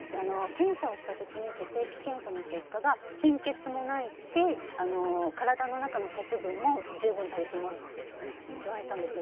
検査をしたときに血液検査の結果が貧血もないし体の中の鉄分も十分足りてますって言われたんですよ。